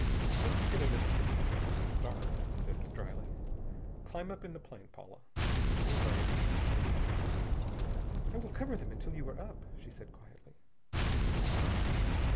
"Just to get a minute or two extra start," he said dryly. "Climb up in the plane, Paula." She obeyed, and turned at the top. "I will cover them until you are up," she said quietly.